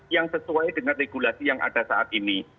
yang sesuai dengan regulasi yang ada saat ini